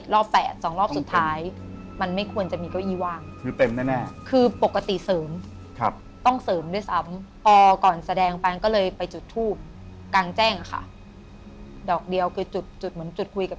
๗รอบ๘๒รอบสุดท้ายนึกเป็น